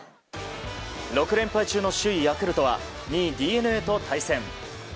６連敗中の首位ヤクルトは２位ＤｅＮＡと対戦。